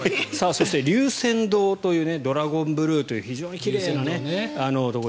そして、龍泉洞というドラゴンブルーという非常に奇麗なところ。